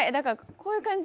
こういう感じ？